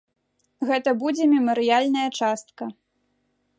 Гэта будзе мемарыяльная частка.